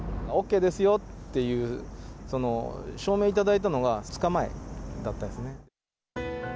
ＯＫですよっていう、そのいただいたのが２日前だったんですね。